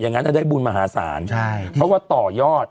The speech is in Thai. งั้นได้บุญมหาศาลใช่เพราะว่าต่อยอด